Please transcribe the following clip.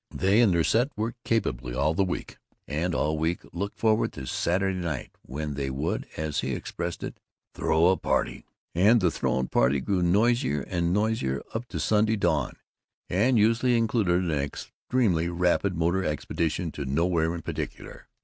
They and their set worked capably all the week, and all week looked forward to Saturday night, when they would, as they expressed it, "throw a party;" and the thrown party grew noisier and noisier up to Sunday dawn, and usually included an extremely rapid motor expedition to nowhere in particular.